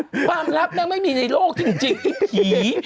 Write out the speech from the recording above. ความลับนางไม่มีในโลกจริงที่ผี